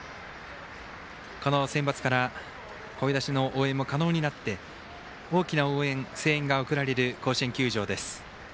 このセンバツから声出しの応援も可能になって大きな声援が送られる、甲子園球場です。